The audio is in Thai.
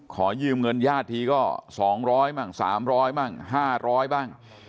ขอยืมเงินญาติทีก็สองร้อยบ้างสามร้อยบ้างห้าร้อยบ้าง